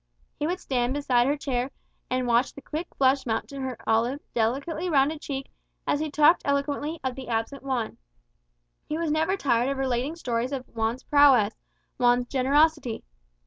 He would stand beside her chair, and watch the quick flush mount to her olive, delicately rounded cheek, as he talked eloquently of the absent Juan. He was never tired of relating stories of Juan's prowess, Juan's generosity.